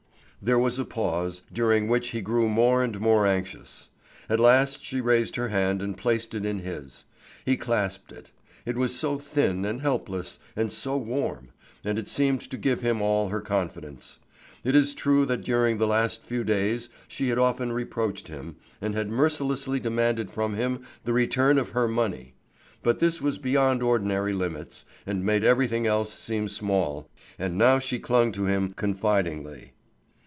There was a pause, during which he grew more and more anxious. At last she raised her hand and placed it in his. He clasped it; it was so thin and helpless, and so warm, and it seemed to give him all her confidence. It is true that during the last few days she had often reproached him, and had mercilessly demanded from him the return of her money; but this was beyond ordinary limits, and made everything else seem small, and now she clung to him confidingly.